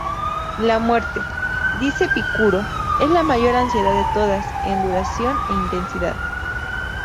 La muerte, dice Epicuro, es la mayor ansiedad de todas, en duración e intensidad.